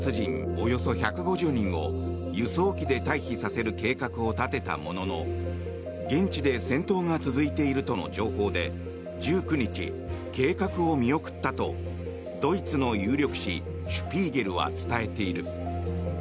およそ１５０人を輸送機で退避させる計画を立てたものの現地で戦闘が続いているとの情報で１９日、計画を見送ったとドイツの有力誌「シュピーゲル」は伝えている。